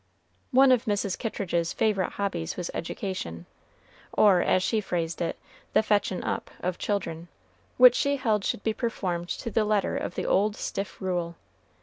One of Mrs. Kittridge's favorite hobbies was education, or, as she phrased it, the "fetchin' up" of children, which she held should be performed to the letter of the old stiff rule.